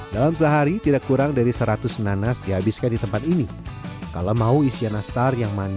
dalam sehari tidak kurang dari seratus nana setiap iso di tempat ini kalau mau isya nastar yang manis